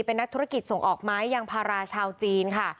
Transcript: เป็นนักธุรกิจส่งออกไม้ยางพาราชาวจีนค่ะ